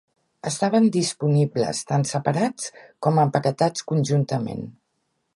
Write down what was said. Estaven disponibles, tant separats com empaquetats conjuntament.